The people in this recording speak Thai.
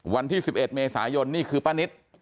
วันที่๑๑เมษายนต์ขือปร์นิฐ